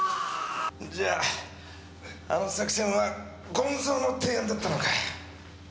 じゃああの作戦はゴンゾウの提案だったのか。